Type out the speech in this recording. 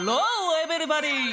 エブリバディ。